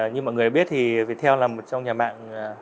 như mọi người biết thì viettel là một trong nhà mạng